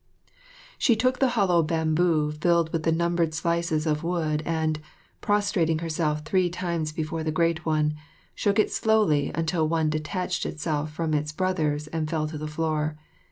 She took the hollow bamboo filled with the numbered slices of wood and, prostrating herself three times before the Great One, shook it slowly until one detached itself from its brothers and fell to the floor.